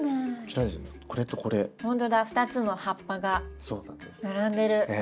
２つの葉っぱが並んでる。